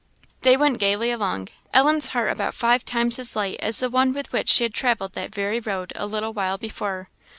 They went gaily along Ellen's heart about five times as light as the one with which she had travelled that very road a little while before.